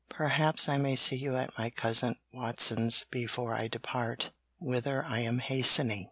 Perhaps I may see you at my cousin Watson's before I depart whither I am hastening.'